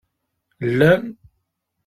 Llan?